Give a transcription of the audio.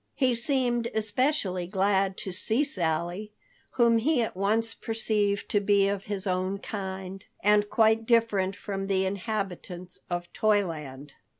He seemed especially glad to see Sally, whom he at once perceived to be of his own kind, and quite different from the inhabitants of Toyland.